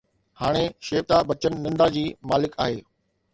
هاڻي شيوتا بچن نندا جي مالڪ آهي